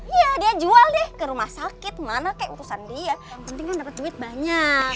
iya dia jual deh ke rumah sakit mana kayak urusan dia yang penting kan dapat duit banyak